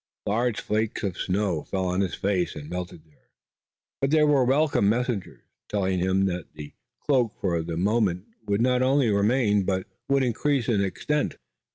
Large flakes of snow fell on his face and melted there, but they were welcome messengers, telling him that the cloak for the movement would not only remain, but would increase in extent.